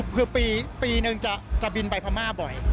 คือปีนึงจะบินไปพม่าบ่อย